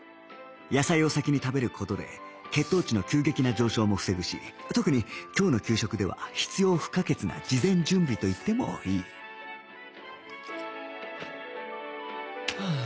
野菜を先に食べる事で血糖値の急激な上昇も防ぐし特に今日の給食では必要不可欠な事前準備といってもいいはあ。